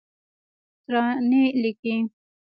ترانې لیکې